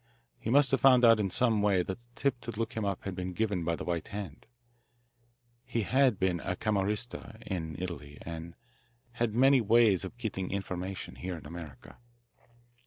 He must have found out in some way that the tip to look him up had been given by the White Hand. He had been a Camorrista, in Italy, and had many ways of getting information here in America."